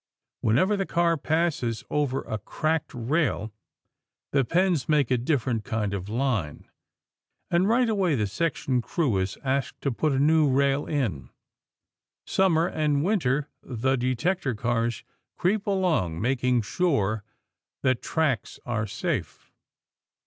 Whenever the car passes over a cracked rail, the pens make a different kind of line. And right away the section crew is asked to put a new rail in. Summer and winter, the detector cars creep along, making sure that tracks are safe.